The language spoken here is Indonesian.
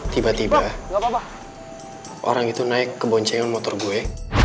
tiba tiba orang itu naik ke boncengan motor gue